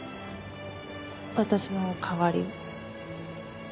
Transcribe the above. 私の代わりを？